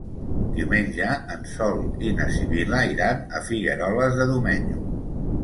Diumenge en Sol i na Sibil·la iran a Figueroles de Domenyo.